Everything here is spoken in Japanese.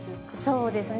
そうですね。